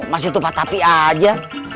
masih tupa tapi aja